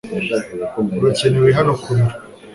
Urakenewe hano ku biro .